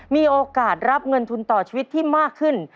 มีโอกาสรับเงินทุนต่อชีวิตที่มากขึ้น